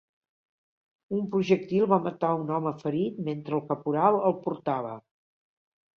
Un projectil va matar un home ferit mentre el caporal el portava.